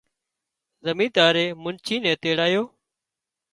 زمينۮارئي منچي نين تيڙايو